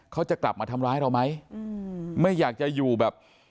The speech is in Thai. เขาจะกลับมาทำร้ายเราไหมอืมไม่อยากจะอยู่แบบ